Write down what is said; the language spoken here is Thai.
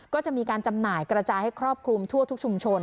ก็จะมีการจำหน่ายกระจายให้ครอบคลุมทั่วทุกชุมชน